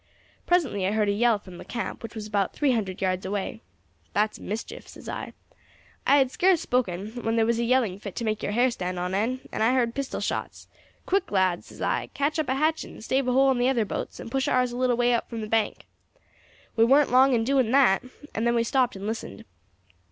Presently I heard a yell from the camp, which was about three hundred yards away. 'That's mischief,' says I. I had scarce spoken when there was a yelling fit to make your har stand on end, and I heard pistol shots. 'Quick,' lads, says I, 'catch up a hatchet and stave a hole in the other boats, and push ours a little way out from the bank.' We warn't long in doing that, and then we stopped and listened.